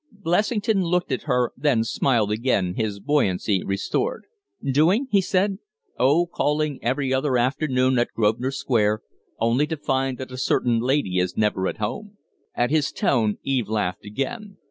Blessington looked at her, then smiled again, his buoyancy restored. "Doing?" he said. "Oh, calling every other afternoon at Grosvenor Square only to find that a certain lady is never at home." At his tone Eve laughed again.